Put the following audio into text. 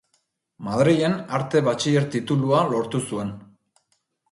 Madrilen arte batxiler titulua lortu zuen.